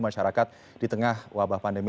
masyarakat di tengah wabah pandemi